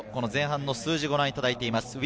前半の数字をご覧いただいています。